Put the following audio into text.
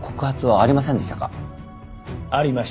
ありました。